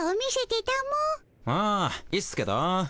あいいっすけど。